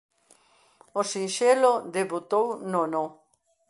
O sinxelo debutou no No.